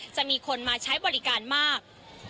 จะมีคนมาใช้บริการมาก